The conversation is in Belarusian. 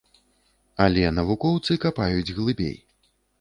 Але навукоўцы капаюць глыбей.